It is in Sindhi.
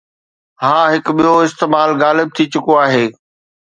ها، هي ٻيو استعمال غالب ٿي چڪو آهي